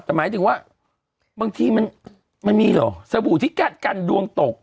แต่หมายถึงว่าบางทีมันมีเหรอสบู่ที่กัดกันดวงตก